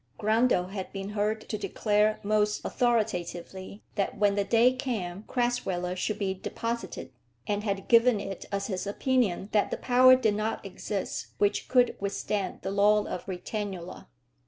Grundle had been heard to declare most authoritatively that when the day came Crasweller should be deposited, and had given it as his opinion that the power did not exist which could withstand the law of Britannula.